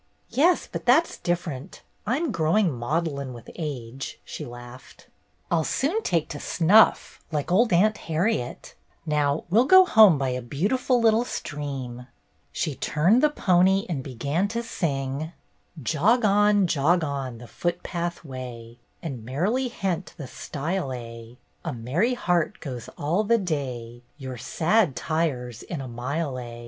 "Yes, but that's different. I'm growing maudlin with age," she laughed. " I 'll soon take to snuff, like old Aunt Harriet. Now we'll go home by a beautiful little stream." She turned the pony and began to sing: "' Jog on, jog on, the foot path way. And merrily hent the stile a : A merry heart goes all the day. Your sad tires in a mile a.